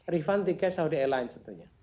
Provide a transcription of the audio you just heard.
refund tiket saudi airlines tentunya